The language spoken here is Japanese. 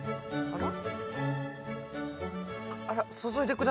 あら。